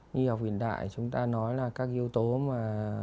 như học viện đại chúng ta nói là các yếu tố mà